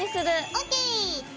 ＯＫ。